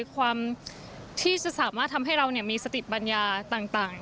ความที่จะสามารถทำให้เรามีสติปัญญาต่าง